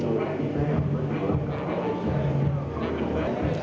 สวัสดีครับ